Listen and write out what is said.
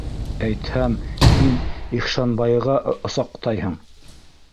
Әйтһәм, һин Ихшанбайыға осаҡтайһың!